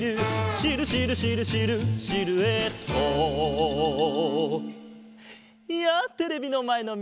「シルシルシルシルシルエット」やあテレビのまえのみんな！